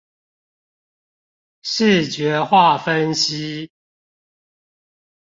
視覺化分析